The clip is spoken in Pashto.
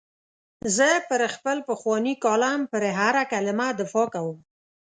زه پر خپل پخواني کالم پر هره کلمه دفاع کوم.